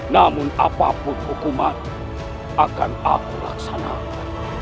namun apapun hukuman akan aku laksanakan